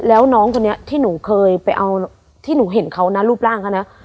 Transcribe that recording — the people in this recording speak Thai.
แล้วน้องคนนี้ที่หนูเคยไปเอาที่หนูเห็นเขานะรูปร่างเขานะ